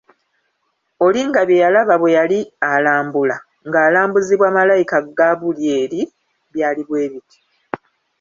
Olinga bye yalaba bwe yali alambula, nga alambuzibwa Malayika Gaabulyeri byali bwe biti